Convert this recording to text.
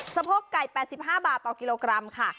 สะโพกไก่๘๕บาทต่อกิโลกรัมค่ะ